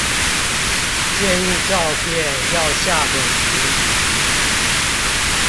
建議照片要下個警語